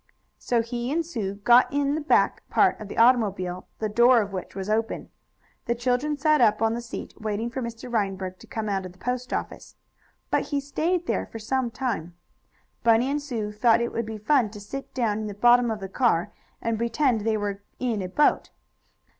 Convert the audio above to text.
So he and Sue got in the back part of the automobile, the door of which was open. The children sat up on the seat, waiting for Mr. Reinberg to come out of the post office, but he stayed there for some time. Bunny and Sue thought it would be fun to sit down in the bottom of the car, and pretend they were in a boat.